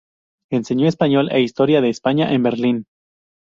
Enseñó español e historia de España en Berlín.